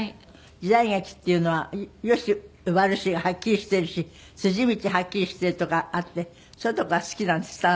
時代劇っていうのは良し悪しがはっきりしているし筋道はっきりしているとこがあってそういうとこが好きなんですって？